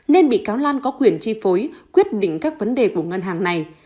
nên bị cáo lan có quyền chi phối quyết định các vấn đề của ngân hàng này